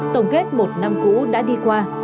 tổng kết một năm cũ đã đi qua